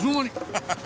ハハハ。